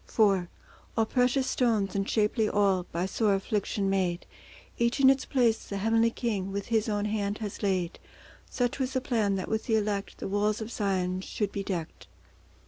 IV All precious stones and shapely all, By sore affliction made; Each in its place the Heavenly King With His own hand has laid— Such was the plan, that with the Elect The walls of Zion should be decked.